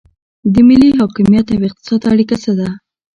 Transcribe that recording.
د ملي حاکمیت او اقتصاد اړیکه څه ده؟